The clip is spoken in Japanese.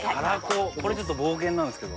これちょっと冒険なんですけど。